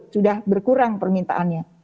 sudah berkurang permintaannya